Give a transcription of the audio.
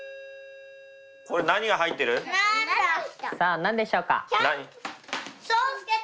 さあ何でしょうか？